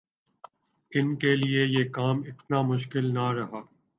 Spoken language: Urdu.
ان کیلئے یہ کام اتنا مشکل نہ رہا۔